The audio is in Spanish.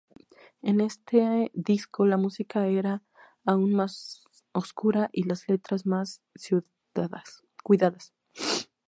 En este disco la música era aún más oscura y las letras más cuidadas.